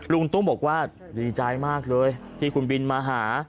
ลุงตุ้มบอกว่าดีใจมากเลยที่คุณบินมาหา